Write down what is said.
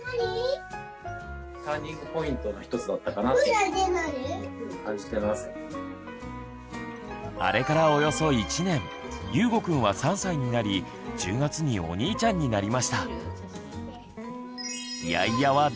無意識のうちにあれからおよそ１年ゆうごくんは３歳になり１０月にお兄ちゃんになりました。